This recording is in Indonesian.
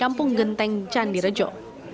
kampung genteng candirejo